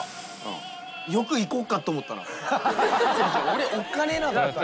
俺おっかねえなと思った。